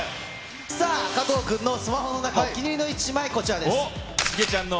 さあ、加藤君のスマホの中、お気に入りの１枚、こちらです。